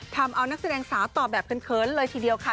ทำเอานักแสดงสาวตอบแบบเขินเลยทีเดียวค่ะ